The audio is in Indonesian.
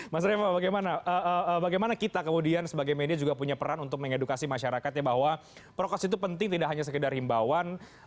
mas revo bagaimana kita kemudian sebagai media juga punya peran untuk mengedukasi masyarakat ya bahwa prokes itu penting tidak hanya sekedar himbauan